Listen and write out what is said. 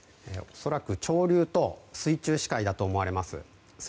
恐らく、潮流と水中視界だと思います。